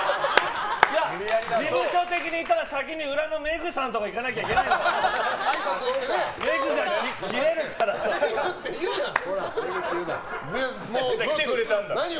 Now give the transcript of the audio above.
事務所的にいったら最初に裏のメグさんのところに行かなきゃいけないのよ。